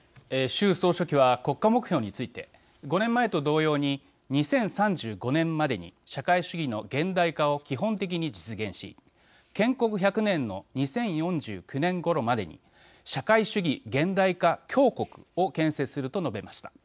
習総書記は国家目標について５年前と同様に２０３５年までに社会主義の現代化を基本的に実現し建国１００年の２０４９年ごろまでに社会主義現代化強国を建設すると述べました。